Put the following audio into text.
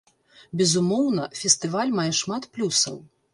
Безумоўна, фестываль мае шмат плюсаў.